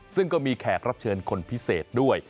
ซึ่งก็มีแขกรับเชิญคนพิเศษด้วย